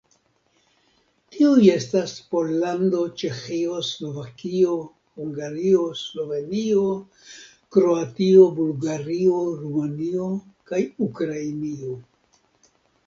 Tiuj estas Pollando, Ĉeĥio, Slovakio, Hungario, Slovenio, Kroatio, Bulgario, Rumanio kaj Ukrainio.